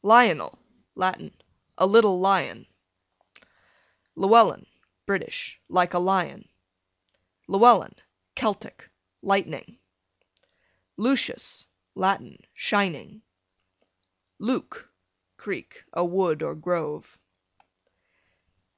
Lionel, Latin, a little lion. Llewellin, British, like a lion. Llewellyn, Celtic, lightning. Lucius, Latin, shining. Luke, Creek, a wood or grove.